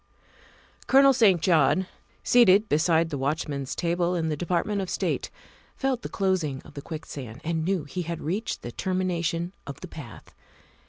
Colonel St. John, seated beside the watchman's table in the Department of State, felt the closing of the quick sand and knew he had reached the termination of the path.